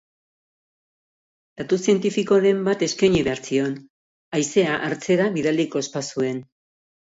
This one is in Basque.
Datu zientifikoren bat eskaini behar zion, haizea hartzera bidaliko ez bazuen.